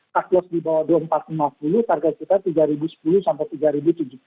kasus di bawah dua ribu empat ratus lima puluh target kita tiga ribu sepuluh sampai tiga ribu tujuh puluh